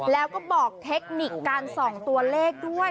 แล้วก็บอกเทคนิคการส่องตัวเลขด้วย